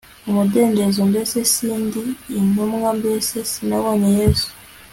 umudendezo mbese si ndi intumwa mbese sinabonye yesu